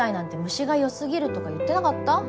虫がよすぎるとか言ってなかった？